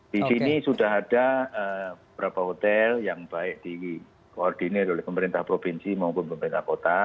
di sini sudah ada beberapa hotel yang baik dikoordinir oleh pemerintah provinsi maupun pemerintah kota